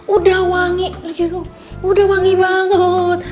udah wangi tuh udah wangi banget